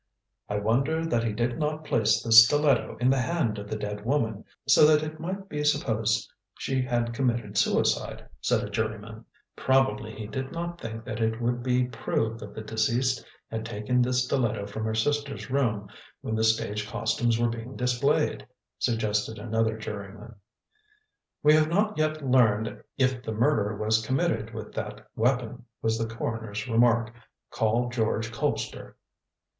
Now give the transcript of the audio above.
"I wonder that he did not place the stiletto in the hand of the dead woman, so that it might be supposed she had committed suicide," said a juryman. "Probably he did not think that it would be proved that the deceased had taken the stiletto from her sister's room when the stage costumes were being displayed," suggested another juryman. "We have not yet learned if the murder was committed with that weapon," was the coroner's remark. "Call George Colpster."